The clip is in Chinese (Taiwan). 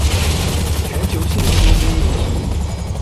全球性新興議題